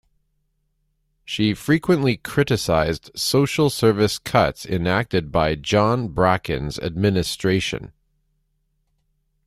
She frequently criticised social service cuts enacted by John Bracken's administration.